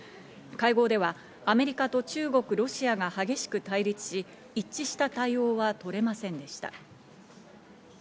会合ではアメリカと中国、ロシアが激しく対立し、一致した対応は取れませんでした。